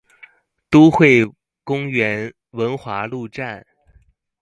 都會公園文華路站